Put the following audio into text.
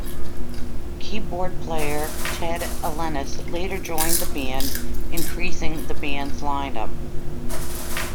Keyboard player Ted Ellenis later joined the band increasing the band's lineup.